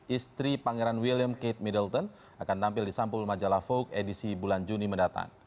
istri pangeran william kate middleton akan tampil di sampul majalah vogue edisi bulan juni mendatang